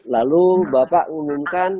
lalu bapak mengumumkan